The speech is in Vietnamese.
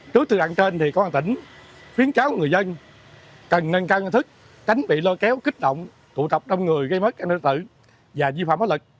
trước từ đoạn trên thì có hoàn tỉnh khuyến cáo người dân cần nâng cao nguyên thức tránh bị lôi kéo kích động tụ tập đông người gây mất an tử tử và di phạm bất lực